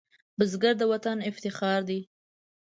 بزګر د وطن افتخار دی